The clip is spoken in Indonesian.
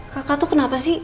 kakak tuh kenapa sih